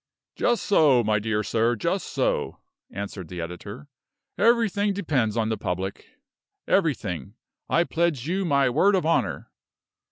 "Just so, my dear sir, just so," answered the editor. "Everything depends upon the public everything, I pledge you my word of honor."